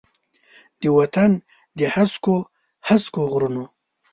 د وطن د هسکو، هسکو غرونو،